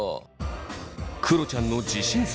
くろちゃんの自信作